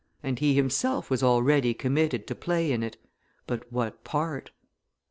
And he himself was already committed to play in it but what part?